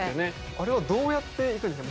あれはどうやって行くんですか？